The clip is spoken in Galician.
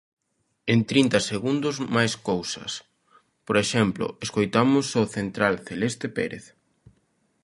En trinta segundos máis cousas, por exemplo escoitamos o central celeste Pérez.